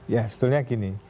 ya sebetulnya gini